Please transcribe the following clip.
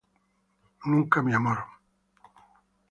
Never my love.